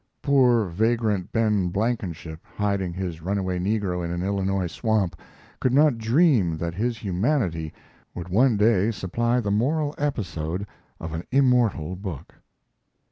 Poor vagrant Ben Blankenship, hiding his runaway negro in an Illinois swamp, could not dream that his humanity would one day supply the moral episode of an immortal book.